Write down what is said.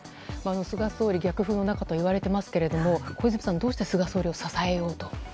菅総理逆風の中といわれていますが小泉さん、どうして菅総理を支えようと？